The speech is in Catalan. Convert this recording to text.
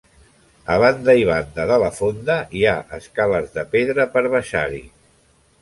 A banda i banda de la fonda hi ha escales de pedra per baixar-hi.